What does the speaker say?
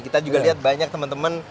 kita juga lihat banyak teman teman